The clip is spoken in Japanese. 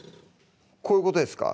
こういうことですか？